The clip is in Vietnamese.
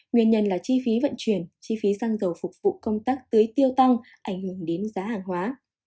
nguyên nhân là chi phí vận chuyển chi phí xăng dầu phục vụ công tác tưới tiêu tăng ảnh hưởng đến giá hàng hóa